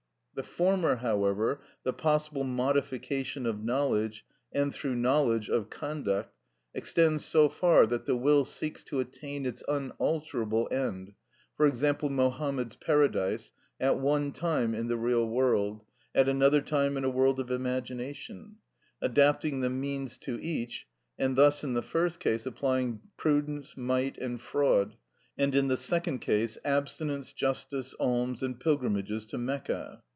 The former, however, the possible modification of knowledge, and through knowledge of conduct, extends so far that the will seeks to attain its unalterable end, for example, Mohammed's paradise, at one time in the real world, at another time in a world of imagination, adapting the means to each, and thus in the first case applying prudence, might, and fraud, and in the second case, abstinence, justice, alms, and pilgrimages to Mecca.